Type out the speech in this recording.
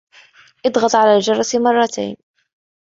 اضغط على الجرس مرتين.